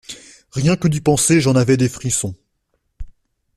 Rien que d’y penser, j'en avais des frissons.